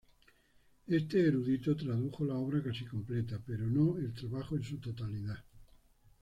Este erudito tradujo la obra casi completa, pero no el trabajo en su totalidad.